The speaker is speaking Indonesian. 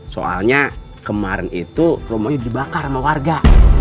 soalnya kemarin itu rumahnya dibakar sama warga